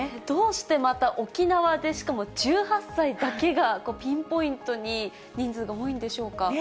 どうしてまた、沖縄で、しかも１８歳だけがピンポイントに人数が多いんでしょうか。